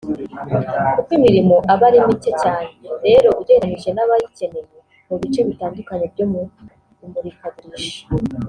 Kuko imirimo aba ari mike cyane rero ugereranyije n’abayikeneye mu bice bitandukanye byo mu imurikagurisha